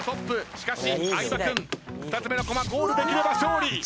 しかし相葉君２つ目のコマゴールできれば勝利。